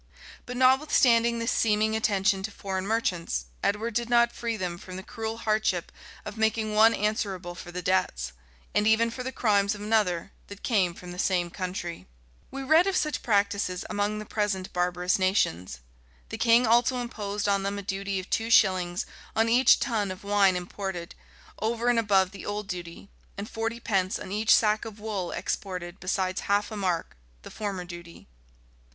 But notwithstanding this seeming attention to foreign merchants, Edward did not free them from the cruel hardship of making one answerable for the debts, and even for the crimes of another, that came from the same country.[] * Anderson's History of Commerce, vol. i. p. 137. Anderson's History of Commerce, vol. i. p. 146. We read of such practices among the present barbarous nations. The king also imposed on them a duty of two shillings on each tun of wine imported, over and above the old duty; and forty pence on each sack of wool exported besides half a mark, the former duty.